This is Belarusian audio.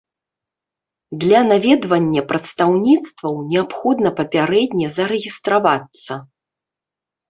Для наведвання прадстаўніцтваў неабходна папярэдне зарэгістравацца.